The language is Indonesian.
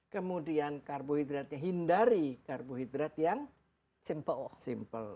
kemudian karbohidratnya hindari karbohidrat yang simple